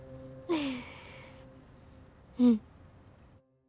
うん。